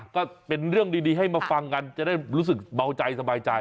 ก็เป็นเรื่องดีให้มาฟังกันจะได้รู้สึกเบาใจสบายใจ